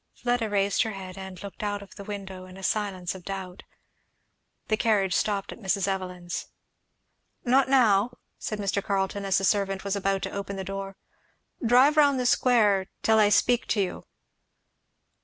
Fleda raised her head and looked out of the window in a silence of doubt. The carriage stopped at Mrs. Evelyn's. "Not now," said Mr. Carleton, as the servant was about to open the door; "drive round the square till I speak to you."